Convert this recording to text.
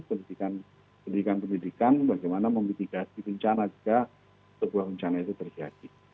pendidikan pendidikan bagaimana memitigasi bencana jika sebuah bencana itu terjadi